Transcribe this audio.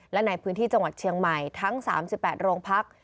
และในพื้นที่จังหวัดเชียงใหม่ทั้ง๓๘โรงพัก